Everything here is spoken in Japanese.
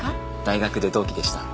大学で同期でした。